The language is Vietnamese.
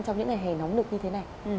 trong những ngày hè nóng nực như thế này